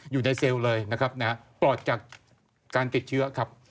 อยู่ในเซลล์เลยนะครับนะฮะปลอดจากการติดเชื้อครับ